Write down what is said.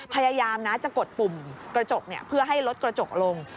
พยายามนะจะกดปุ่มกระจกเพื่อให้รถกระจกลง